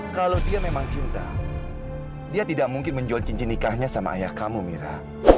kalau dia memang cinta dia tidak mungkin menjual cincin nikahnya sama ayah kamu mira